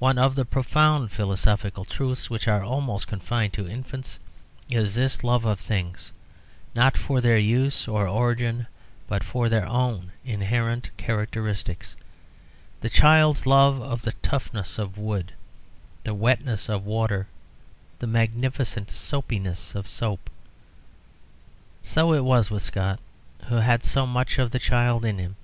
One of the profound philosophical truths which are almost confined to infants is this love of things, not for their use or origin, but for their own inherent characteristics, the child's love of the toughness of wood, the wetness of water, the magnificent soapiness of soap. So it was with Scott, who had so much of the child in him.